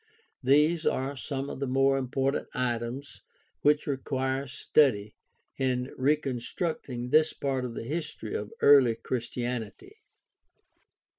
These are some of the more important items which require study in reconstructing this part of the history of early Christianity.